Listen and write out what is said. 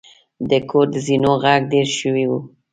د کور د زینو غږ ډیر شوی و.